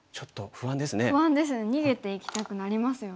不安ですね逃げていきたくなりますよね。